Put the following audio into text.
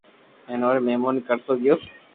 ھين او رو مھموني ڪرتو گيو